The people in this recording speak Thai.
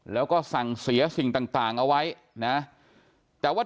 แล้วก็สั่งเสียสิ่งต่างเอาไว้นะแต่ว่า